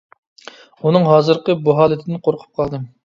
ئۇنىڭ ھازىرقى بۇ ھالىتىدىن قورقۇپ قالدىم.